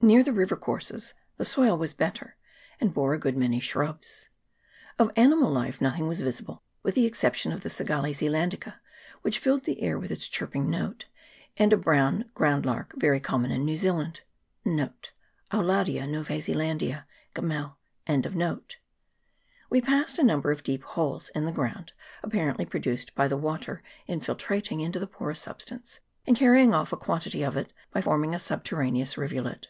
Near the river courses the soil was better, and bore a good many shrubs. Of animal life nothing was visible, with the exception of the Cigale Ze landica, which filled the air with its chirping note, and a brown ground lark very common in New Zealand. 1 We passed a number of deep holes in the ground, apparently produced by the water infiltrat ing into the porous substance, and carrying off a quantity of it by forming a subterraneous rivulet.